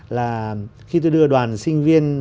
là khi tôi đưa đoàn sinh viên